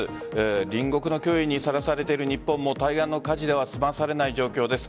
隣国の脅威にさらされている日本も対岸の火事では済まされない状況です。